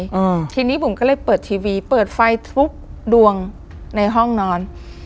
อืมทีนี้บุ๋มก็เลยเปิดทีวีเปิดไฟทุกดวงในห้องนอน